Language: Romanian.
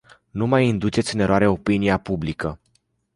Nu mai induceți în eroare opinia publică.